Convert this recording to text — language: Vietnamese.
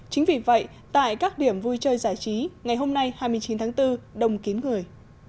chính vì vậy tại các điểm vui chơi giải trí ngày hôm nay hai mươi chín tháng bốn đông kín người